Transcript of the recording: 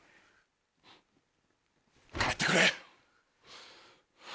帰ってくれ。